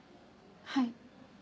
はい。